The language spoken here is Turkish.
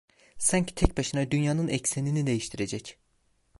Sanki tek başına dünyanın eksenini değiştirecek…